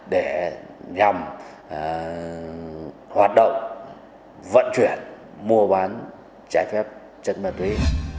để nhằm hoạt động vận chuyển mua bán trái phép chất ma túy